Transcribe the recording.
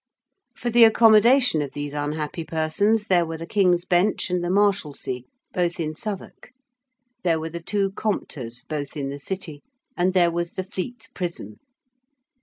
For the accommodation of these unhappy persons there were the King's Bench and the Marshalsea, both in Southwark: there were the two Compters, both in the City: and there was the Fleet Prison.